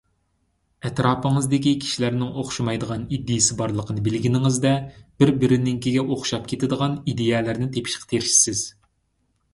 ئەتراپىڭىزدىكى كىشىلەرنىڭ ئوخشىمايدىغان ئىدىيەسى بارلىقىنى بىلگىنىڭىزدە، بىر-بىرىنىڭكىگە ئوخشاپ كېتىدىغان ئىدىيەلەرنى تېپىشقا تىرىشىسىز.